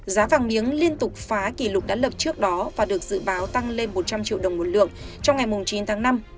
giá vàng miếng liên tục phá kỷ lục đã lập trước đó và được dự báo tăng lên một trăm linh triệu đồng một lượng trong ngày chín tháng năm